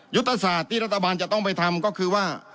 ยุตสาทที่รัฐบาลจะต้องไปทำก็คือว่า